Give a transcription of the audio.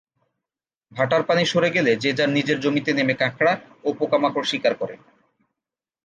ভাটার পানি সরে গেলে যে যার নিজের জমিতে নেমে কাঁকড়া ও পোকামাকড় শিকার করে।